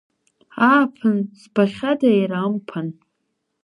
Ааԥын збахьада иара амԥан…